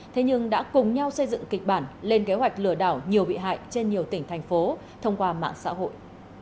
thế nhưng đã cùng nhau xây dựng kịch bản lên kế hoạch lừa đảo nhiều bị hại trên nhiều tỉnh thành phố thông qua mạng xã hội